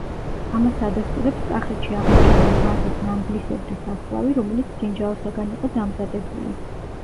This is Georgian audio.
ამას ადასტურებს კახეთში აღმოჩენილი ვაზის ნამგლისებრი სასხლავი, რომელიც ბრინჯაოსაგან იყო დამზადებული.